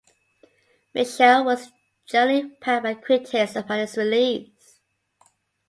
"Mitchell" was generally panned by critics upon its release.